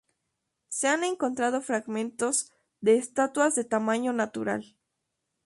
Se han encontrado fragmentos de estatuas de tamaño natural.